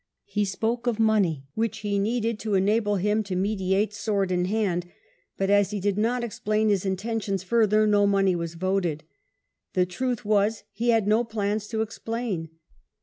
He spoke of money which he needed to enable him to mediate " sword in hand ", but, as he did not explain his intentions further, no money was voted. The truth was, he had no plans to explain.